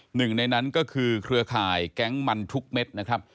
หนึ่งในนั้นก็คือเครือข่ายแก๊งมันทุกเม็ดนะครับ